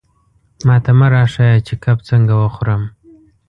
ماته مه را ښیه چې کب څنګه وخورم.